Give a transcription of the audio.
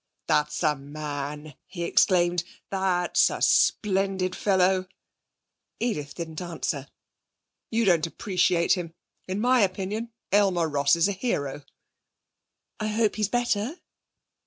'That's a man!' he exclaimed. 'That's a splendid fellow.' Edith didn't answer. 'You don't appreciate him. In my opinion Aylmer Ross is a hero.' 'I hope he's better?'